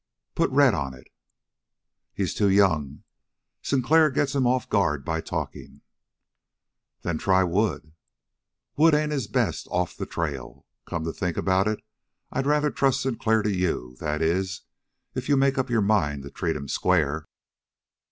Put Red on it." "He's too young. Sinclair's get him off guard by talking." "Then try Wood." "Wood ain't at his best off the trail. Come to think about it, I'd rather trust Sinclair to you that is, if you make up your mind to treat him square."